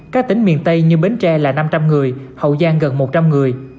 các tỉnh miền tây như bến tre là năm trăm linh người hậu giang gần một trăm linh người